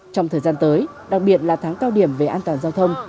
trong thời gian tới đặc biệt là tháng cao điểm về an toàn giao thông